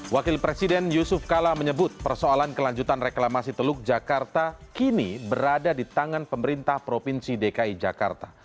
wakil presiden yusuf kala menyebut persoalan kelanjutan reklamasi teluk jakarta kini berada di tangan pemerintah provinsi dki jakarta